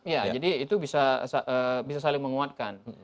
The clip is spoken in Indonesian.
ya jadi itu bisa saling menguatkan